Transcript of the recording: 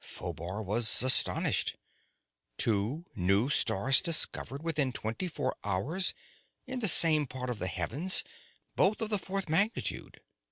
Phobar was astonished. Two new stars discovered within twenty four hours in the same part of the heavens, both of the fourth magnitude!